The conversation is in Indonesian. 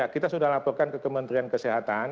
kita sudah laporkan ke kementerian kesehatan